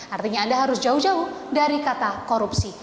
artinya anda harus jauh jauh dari kata korupsi